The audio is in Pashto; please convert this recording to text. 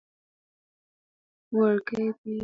وړوکي پېښې د زیات فشار سبب کېدای شي.